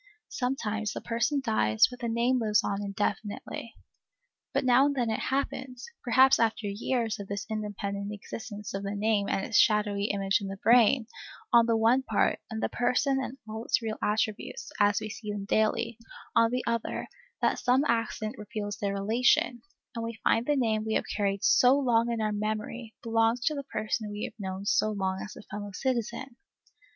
Sometimes the person dies, but the name lives on indefinitely. But now and then it happens, perhaps after years of this independent existence of the name and its shadowy image in the brain, on the one part, and the person and all its real attributes, as we see them daily, on the other, that some accident reveals their relation, and we find the name we have carried so long in our memory belongs to the person we have known so long as a fellow citizen.